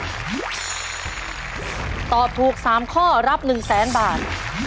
ถ้าตอบถูก๓ข้อรับ๑๐๐๐๐๐บาท